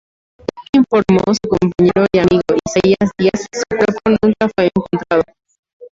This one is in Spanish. Según informó su compañero y amigo Isaías Díaz, su cuerpo nunca fue encontrado.